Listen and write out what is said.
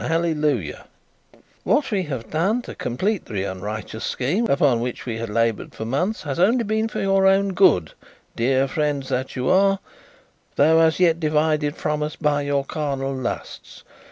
Hallelujah! "What we have done to complete the unrighteous scheme upon which we had laboured for months has only been for your own good, dear friends that you are, though as yet divided from us by your carnal lusts.